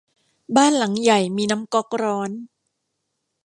บ้านหลังใหญ่มีน้ำก๊อกร้อน